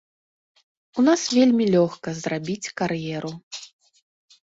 У нас вельмі лёгка зрабіць кар'еру.